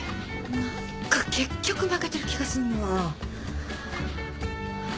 何か結局負けてる気がすんな。